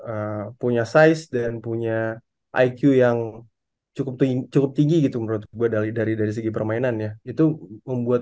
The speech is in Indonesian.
eh ya ini juga sebelum